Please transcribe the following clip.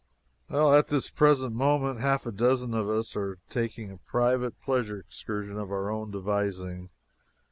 At this present moment half a dozen of us are taking a private pleasure excursion of our own devising.